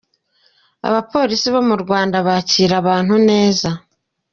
Abapolisi bo mu Rwanda bacyira abantu neza.